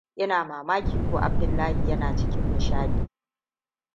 Ina mamaki ko Abdullahi yana cikin nishaɗi.